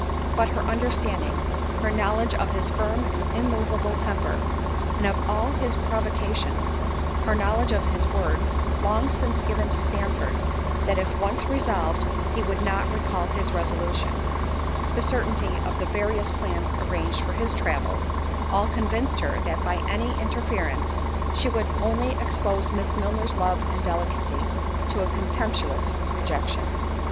But her understanding—her knowledge of his firm and immoveable temper; and of all his provocations—her knowledge of his word, long since given to Sandford, "That if once resolved, he would not recall his resolution"—the certainty of the various plans arranged for his travels, all convinced her, that by any interference, she would only expose Miss Milner's love and delicacy, to a contemptuous rejection.